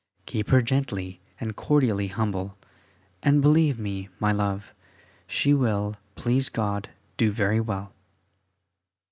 Keep her gently and cordially humble, and believe me, my love, she will, please God, do very well.